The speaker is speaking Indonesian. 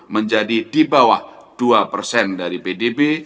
menjadi di bawah dua persen dari pdb